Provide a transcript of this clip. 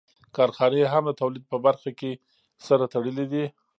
کارخانې هم د تولید په برخه کې سره تړلې دي